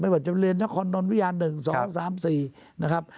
ไม่ว่าจะเรียนนครนวิญญาณหนึ่งสองสามสี่นะครับ